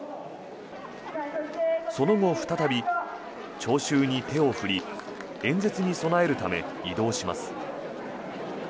その後、再び聴衆に手を振り演説に備えるため移動します。